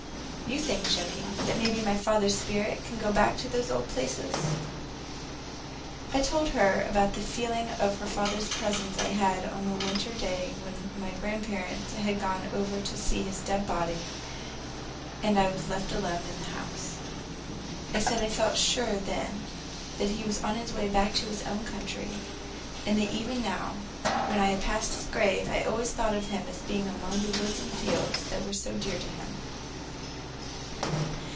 "You think, Jimmy, that maybe my father's spirit can go back to those old places?" I told her about the feeling of her father's presence I had on that winter day when my grandparents had gone over to see his dead body and I was left alone in the house. I said I felt sure then that he was on his way back to his own country, and that even now, when I passed his grave, I always thought of him as being among the woods and fields that were so dear to him.